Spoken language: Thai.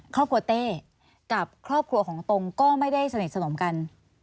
เต้กับครอบครัวของตรงก็ไม่ได้สนิทสนมกัน